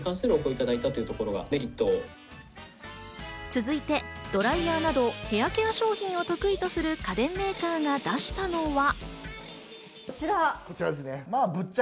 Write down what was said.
続いてドライヤーなど、ヘアケア商品を得意とする家電メーカーが出したのは。